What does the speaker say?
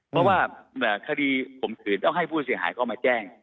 เพราะว่าคดีข่มขืนต้องให้ผู้เสียหายเข้ามาแจ้ง